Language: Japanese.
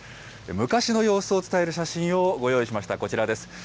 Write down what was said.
昔の様子を伝える写真をご用意しました、こちらです。